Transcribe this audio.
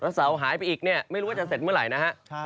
แล้วเสาหายไปอีกไม่รู้ว่าจะเสร็จเมื่อไหร่นะครับ